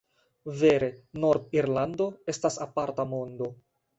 Vere Nord-Irlando estas aparta mondo.